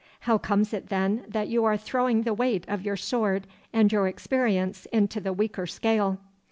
How comes it, then, that you are throwing the weight of your sword and your experience into the weaker scale?